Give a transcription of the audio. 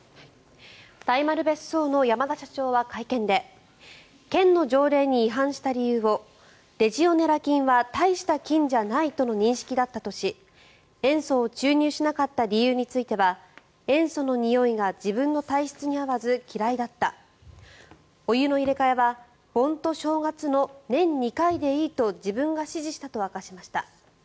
大丸別荘の山田社長は会見で県の条例に違反した理由をレジオネラ菌は大した菌じゃないとの認識だったとし塩素を注入しなかった理由については塩素のにおいが自分の体質に合わず嫌いだったお湯の入れ替えは盆と正月の年２回でいいと自分が指示したと明かしました。